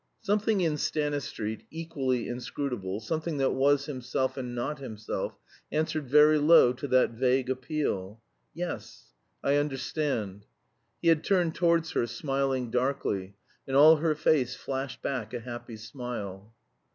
Something in Stanistreet, equally inscrutable, something that was himself and not himself, answered very low to that vague appeal. "Yes, I understand." He had turned towards her, smiling darkly, and all her face flashed back a happy smile.